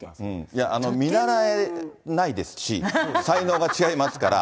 いや、見習えないですし、才能が違いますから。